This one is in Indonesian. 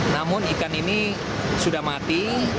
namun ikan ini sudah mati